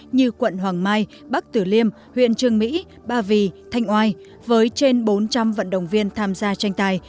như quận hoàng mai bắc tử liêm huyện trương mỹ ba vì thanh oai với trên bốn trăm linh vận động viên tham gia tranh tài